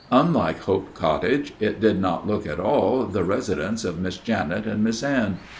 Unlike Hope Cottage, it did not look at all the residence of Miss Janet and Miss Anne.